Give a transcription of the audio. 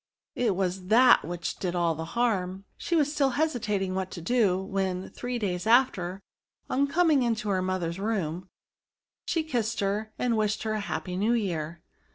it was that which did all the harm !'* She was still hesitating what to do, when, three days after, on coming into her mother's room, she kissed her, and wished her a happy new year.